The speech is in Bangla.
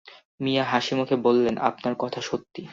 মিয়া হাসিমুখে বললেন, আপনার কথা সত্যি।